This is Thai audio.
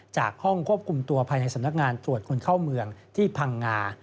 จากห้องควบคุมตัวภายในสำนักงานตรวจคนเข้าเมืองที่พังงา